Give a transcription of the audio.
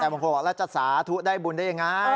แต่บางคนบอกแล้วจะสาธุได้บุญได้ยังไง